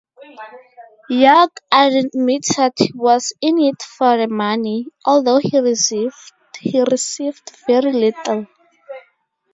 York admitted he was in it for the money, although he received very little.